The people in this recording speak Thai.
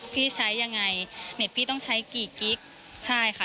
พี่ใช้ยังไงเน็ตพี่ต้องใช้กี่กิ๊กใช่ค่ะ